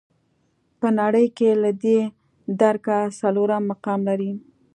په نړۍ کې له دې درکه څلورم مقام لري.